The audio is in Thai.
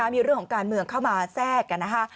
มีเรื่องของการเมืองเข้ามาแทรกกันนะคะ